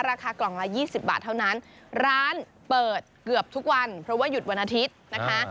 ราคากล่องละยี่สิบบาทเท่านั้นร้านเปิดเกือบทุกวันเพราะว่าหยุดวันอาทิตย์นะคะ